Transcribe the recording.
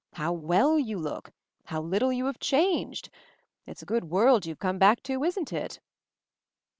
How well you look; how little you have changed! It's a good world you've come back to, isn't it?"